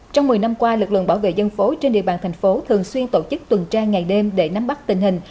trong một mươi năm qua lực lượng bảo vệ dân phố trên địa bàn thành phố thường xuyên tổ chức tuần tra ngày đêm để nắm bắt tình hình